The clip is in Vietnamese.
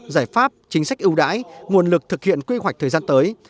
giải pháp chính sách ưu đãi nguồn lực thực hiện quy hoạch thời gian tới